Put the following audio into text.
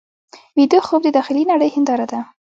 ویده خوب د داخلي نړۍ هنداره ده